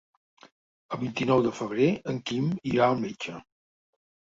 El vint-i-nou de febrer en Quim irà al metge.